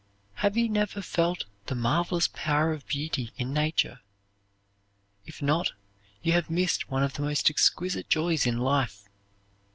Have you never felt the marvelous power of beauty in nature? If not, you have missed one of the most exquisite joys in life.